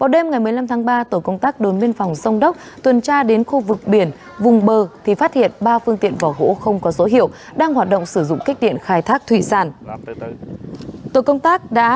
đêm một mươi năm ba tổ công tác đồn biên phòng dòng đốc tuần tra đến khu vực biển vùng bờ phát hiện ba phương tiện vỏ hỗ không có dỗ hiệu sẽ sử dụng ra khai thác thủy sản và lập biên worthwhile kiểm tra